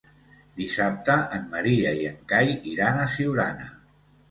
Dissabte en Maria i en Cai iran a Siurana.